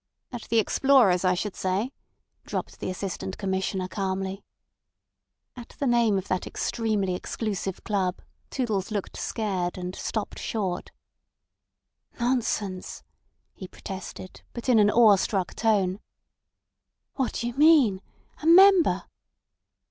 "At the Explorers, I should say," dropped the Assistant Commissioner calmly. At the name of that extremely exclusive club Toodles looked scared, and stopped short. "Nonsense," he protested, but in an awe struck tone. "What do you mean? A member?"